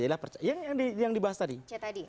iya yang dibahas tadi